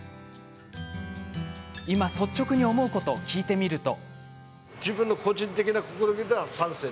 今、思うことを聞いてみると。